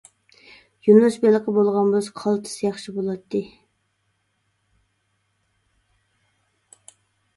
يۇنۇس بېلىقى بولغان بولسا قالتىس ياخشى بولاتتى.